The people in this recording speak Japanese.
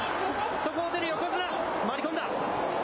そこを出る横綱、回り込んだ。